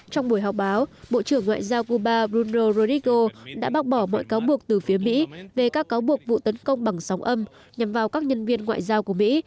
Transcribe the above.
trong buổi họp báo bộ trưởng ngoại giao cuba bruno rodrigo đã bác bỏ mọi cáo buộc từ phía mỹ về các cáo buộc vụ tấn công bằng sóng âm nhằm vào các nhân viên ngoại giao của mỹ